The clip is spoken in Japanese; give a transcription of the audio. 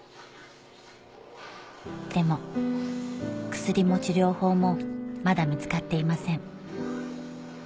でも薬も治療法もまだ見つかっていません